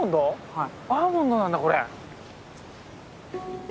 はい。